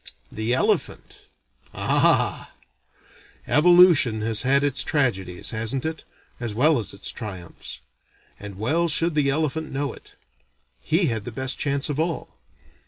The elephant? Ah! Evolution has had its tragedies, hasn't it, as well as its triumphs; and well should the elephant know it. He had the best chance of all.